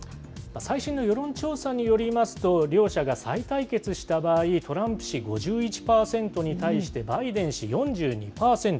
最新の世論調査によりますと、両者が再対決した場合、トランプ氏５１％に対して、バイデン氏４２％。